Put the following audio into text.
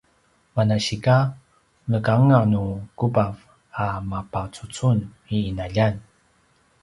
manasika nekanganu kubav a mapacucun i ’inaljan